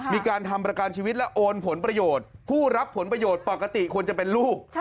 มีการทำประกันชีวิตและโอนผลประโยชน์ผู้รับผลประโยชน์ปกติควรจะเป็นลูก